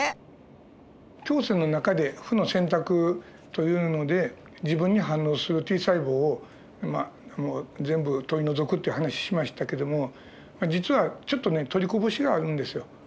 胸腺の中で負の選択というので自分に反応するＴ細胞を全部取り除くって話しましたけども実はちょっとね取りこぼしがあるんですよ。